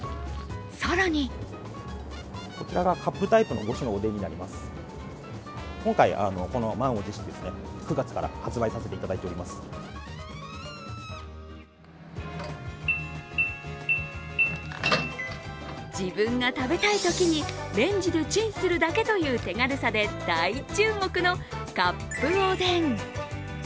更に自分が食べたいときにレンジでチンするだけという手軽さで大注目のカップおでん。